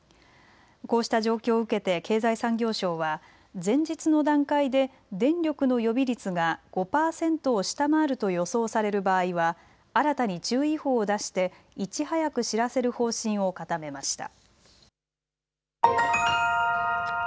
こうした状況を受けて経済産業省は前日の段階で電力の予備率が５％を下回ると予想される場合は新たに注意報を出していち早く知らせる方針を固めました。